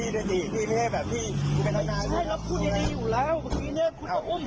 ทำไมพี่ลักษณะนี้